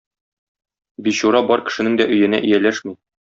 Бичура бар кешенең дә өенә ияләшми.